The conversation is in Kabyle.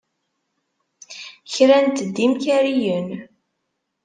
Krant-d imkariyen.